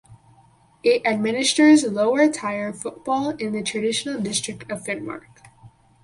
It administers lower tier football in the traditional district of Finnmark.